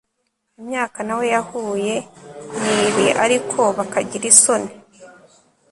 imyaka na we yahuye n ibiariko bakagira isoni